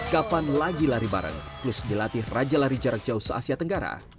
kapan lagi lari bareng plus dilatih raja lari jarak jauh se asia tenggara